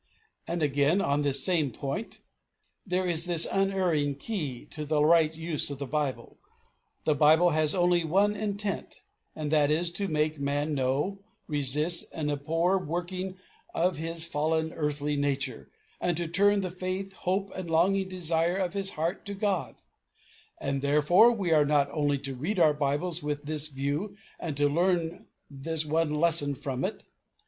And, again, and on this same point, "There is this unerring key to the right use of the Bible. The Bible has only one intent, and that is to make a man know, resist, and abhor the working of his fallen earthly nature, and to turn the faith, hope, and longing desire of his heart to God; and therefore we are only to read our Bibles with this view and to learn this one lesson from it